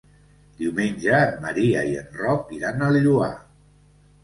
Diumenge en Maria i en Roc iran al Lloar.